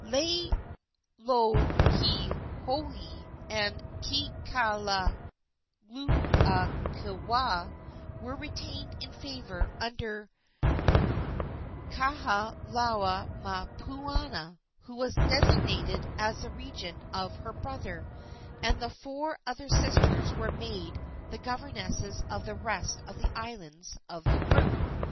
Laielohelohe and Kekalukaluokewa were retained in favor under Kahalaomapuana, who was designated as the regent of her brother, and the four other sisters were made the governesses of the rest of the islands of the group.